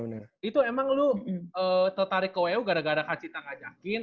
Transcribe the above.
nah itu emang lo tertarik ke uu gara gara kak cita ngajakin